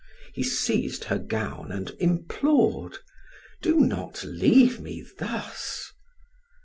He seized her gown and implored: "Do not leave me thus."